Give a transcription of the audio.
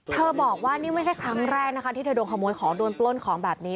บอกว่านี่ไม่ใช่ครั้งแรกนะคะที่เธอโดนขโมยของโดนปล้นของแบบนี้